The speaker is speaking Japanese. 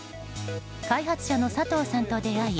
開発者の佐藤さんと出会い